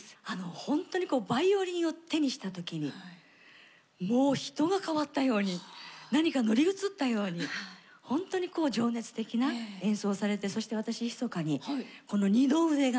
ほんとにバイオリンを手にした時にもう人が変わったように何か乗り移ったようにほんとにこう情熱的な演奏をされてそして私ひそかにこの二の腕が。